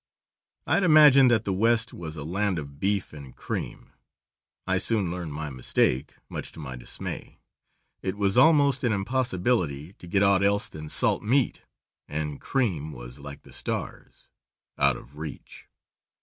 I had imagined that the West was a land of beef and cream; I soon learned my mistake, much to my dismay. It was almost an impossibility to get aught else than salt meat, and cream was like the stars out of reach.